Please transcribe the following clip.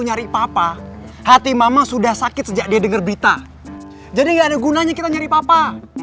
nyari papa hati mama sudah sakit sejak dia denger berita jadi enggak ada gunanya kita nyari papa